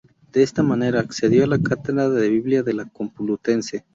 De esta manera, accedió a la cátedra de Biblia de la Complutense.